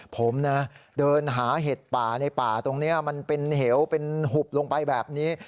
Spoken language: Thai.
ผมนะเดินหาเห็ดป่าในป่าตรงนี้มันเป็นเหวเป็นหุบลงไปแบบนี้